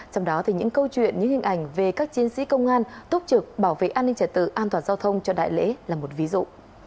trong đó thì những câu chuyện những hình ảnh về các chiến sĩ công an túc trực bảo vệ an ninh trật tự an toàn giao thông cho đại lễ là một ví dụ